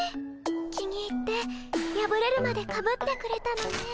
気に入ってやぶれるまでかぶってくれたのね。